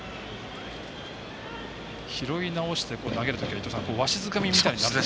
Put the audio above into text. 拾い直して投げるときはわしづかみみたいに。